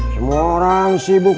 semua orang sibuk